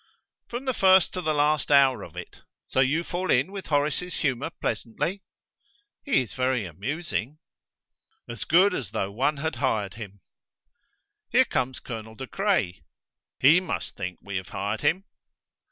"From the first to the last hour of it! So you fall in with Horace's humour pleasantly?" "He is very amusing." "As good as though one had hired him." "Here comes Colonel De Craye." "He must think we have hired him!"